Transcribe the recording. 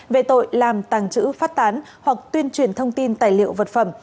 về tội làm tàng trữ phát tán hoặc tuyên truyền thông tin tài liệu vật phẩm